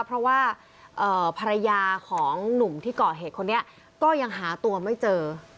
เพราะว่าภรรยาของหนุ่มที่ก่อเหตุคนนี้ก็ยังหาตัวไม่เจอ